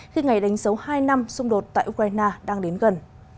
khi ngày đánh dấu hai năm xung đột tại ukraine đang đến gần